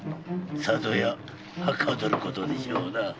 さぞや捗ることでしょうな。